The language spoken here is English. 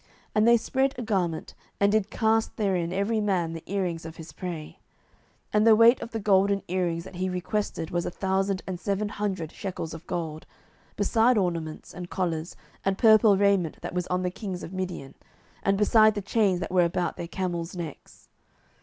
And they spread a garment, and did cast therein every man the earrings of his prey. 07:008:026 And the weight of the golden earrings that he requested was a thousand and seven hundred shekels of gold; beside ornaments, and collars, and purple raiment that was on the kings of Midian, and beside the chains that were about their camels' necks.